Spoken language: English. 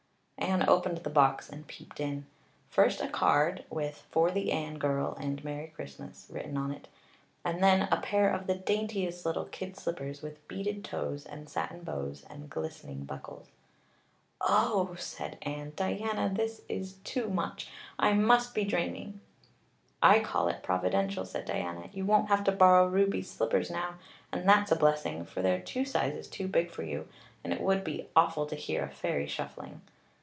Anne opened the box and peeped in. First a card with "For the Anne girl and Merry Christmas," written on it; and then, a pair of the daintiest little kid slippers, with beaded toes and satin bows and glistening buckles. "Oh," said Anne, "Diana, this is too much. I must be dreaming." "I call it providential," said Diana. "You won't have to borrow Ruby's slippers now, and that's a blessing, for they're two sizes too big for you, and it would be awful to hear a fairy shuffling.